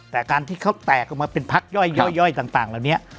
แต่การที่เขาแตกออกมาเป็นพักย่อยต่างเหล่านี้